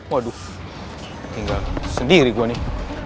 waduh tinggal sendiri gue nih